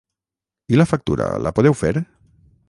I la factura, la podeu fer?